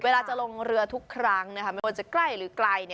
เวลาจะลงเรือทุกครั้งไม่ว่าจะใกล้หรือไกล